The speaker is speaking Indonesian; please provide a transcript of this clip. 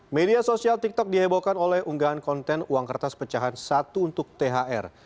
media sosial tiktok dihebohkan oleh unggahan konten uang kertas pecahan satu untuk thr